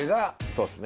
そうっすね